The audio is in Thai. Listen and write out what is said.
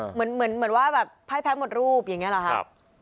เหมือนว่าแบบไพ่แพ้หมดรูปอย่างนี้หรอครับ